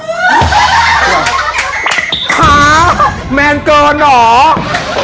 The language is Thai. น่ารักจัดเลยหรอ